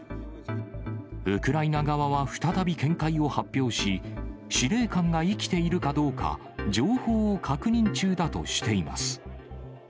ウクライナ側は再び見解を発表し、司令官が生きているかどうか、情報を確認中だとしています。